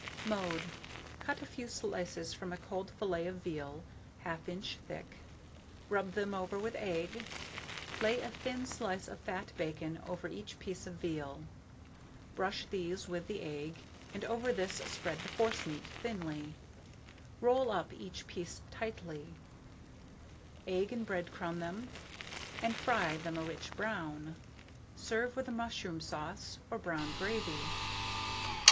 Mode. Cut a few slices from a cold fillet of veal 1/2 inch thick; rub them over with egg; lay a thin slice of fat bacon over each piece of veal; brush these with the egg, and over this spread the forcemeat thinly; roll up each piece tightly, egg and bread crumb them, and fry them a rich brown. Serve with mushroom sauce or brown gravy.